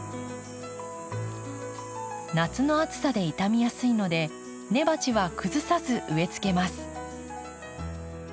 夏の暑さで傷みやすいので根鉢は崩さず植えつけます。